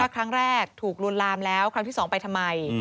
ครั้งแรกถูกลวนลามแล้วครั้งที่๒ไปทำไม